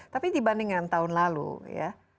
tapi dibandingkan tahun lalu ya